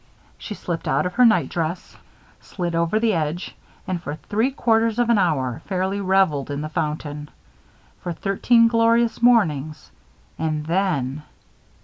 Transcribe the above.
She slipped out of her night dress, slid over the edge, and, for three quarters of an hour, fairly revelled in the fountain. For thirteen glorious mornings and then